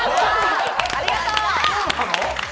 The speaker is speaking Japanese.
ありがとう。